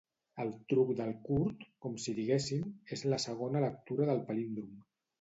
El truc del curt, com si diguéssim, és la segona lectura del palíndrom.